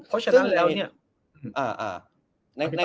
ไม่ใช่เรื่องง่ายครับ